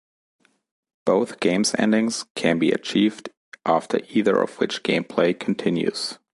Both game's endings can be achieved, after either of which gameplay continues.